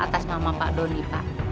atas nama pak doni pak